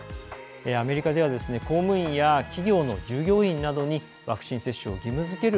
アメリカでは公務員や企業の従業員などにワクチン接種を義務づける